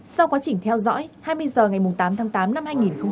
sau quá trình theo dõi hai mươi h ngày tám tháng tám năm hai nghìn hai mươi